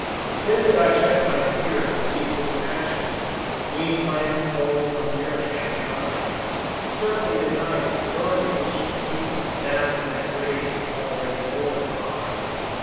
Then did I check my tears of useless passion, Weaned my young soul from yearning after thine, Sternly denied its burning wish to hasten Down to that grave already more than mine!